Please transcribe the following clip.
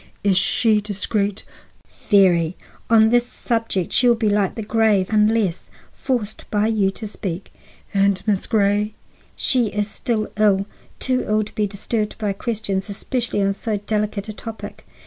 "Is she discreet?" "Very. On this subject she will be like the grave unless forced by you to speak." "And Miss Grey?" "She is still ill, too ill to be disturbed by questions, especially on so delicate a topic.